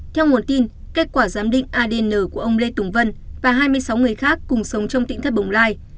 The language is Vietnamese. theo nguồn tin kết quả giám định adn của ông lê tùng vân và hai mươi sáu người khác cùng sống trong tỉnh thất bồng lai